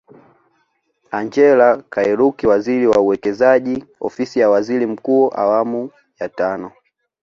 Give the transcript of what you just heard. Angellah Kairuki waziri wa Uwekezaji Ofisi ya Waziri mkuu awamu ya tano